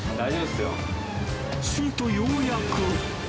すると、ようやく。